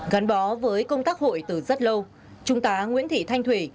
gắn bó với công tác hội từ rất lâu trung tá nguyễn thị thanh thủy